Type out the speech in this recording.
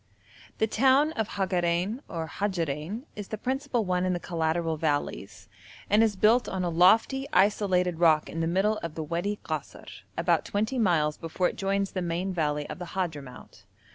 The town of Hagarein or Hajarein is the principal one in the collateral valleys, and is built on a lofty isolated rock in the middle of the Wadi Kasr, about twenty miles before it joins the main valley of the Hadhramout.